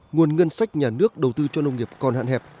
nguồn ngân sách nhà nước đầu tư cho nông nghiệp còn hạn hẹp